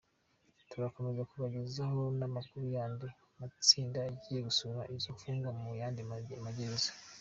Turakomeza kubagezaho n’amakuru y’andi matsinda yagiye gusura izo mfungwa mu yandi magereza.